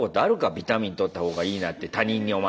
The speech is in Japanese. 「ビタミンとった方がいい」なんて他人にお前。